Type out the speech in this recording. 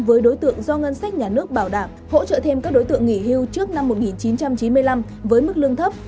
với đối tượng do ngân sách nhà nước bảo đảm hỗ trợ thêm các đối tượng nghỉ hưu trước năm một nghìn chín trăm chín mươi năm với mức lương thấp